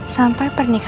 sampai pernikahan dia